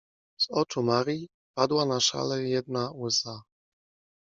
Z oczu Marii padła na szalę jedna łza.